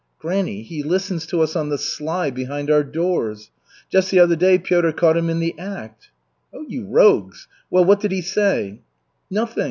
"Granny, he listens to us on the sly behind our doors. Just the other day Piotr caught him in the act." "Oh, you rogues! Well, what did he say?" "Nothing.